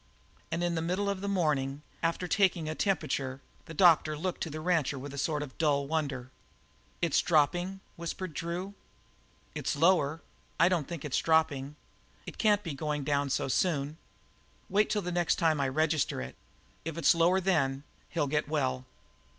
And in the middle of the morning, after taking a temperature, the doctor looked to the rancher with a sort of dull wonder. "It's dropping?" whispered Drew. "It's lower. I don't think it's dropping. It can't be going down so soon. Wait till the next time I register it. If it's still lower then, he'll get well."